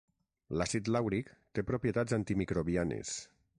L'àcid làuric té propietats antimicrobianes.